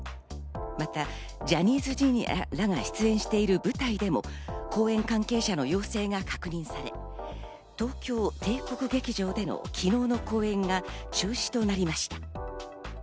またジャニーズＪｒ．らが出演している舞台でも公演関係者の陽性が確認され、東京帝国劇場での昨日の公演が中止となりました。